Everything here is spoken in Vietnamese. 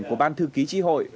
của ban thư ký chi hội